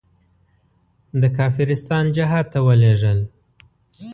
د کافرستان جهاد ته ولېږل.